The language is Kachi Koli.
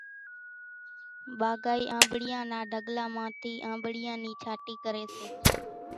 ٻاگھائِي آنٻڙِيان نا ڍڳلا مان ٿِي آنٻڙِيان نِي ڇانٽِي ڪريَ سي۔